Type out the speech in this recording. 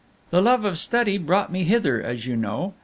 "The love of study brought me hither, as you know.